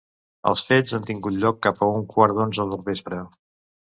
Els fets han tingut lloc cap a un quart d'onze del vespre.